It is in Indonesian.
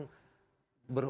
di papua banyak terjadi